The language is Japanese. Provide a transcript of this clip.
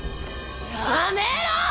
やめろ！